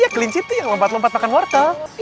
iya kelinci tuh yang lompat lompat makan hortel